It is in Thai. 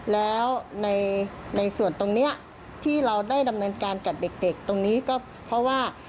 แล้วในส่วนตรงนี้ที่เราได้ดำเนินการกับเด็กตรงนี้ก็เพราะว่า